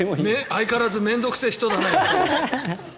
相変わらず面倒臭い人だな。